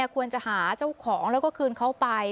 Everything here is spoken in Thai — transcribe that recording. ควรจะหาเจ้าของแล้วก็คืนเขาไป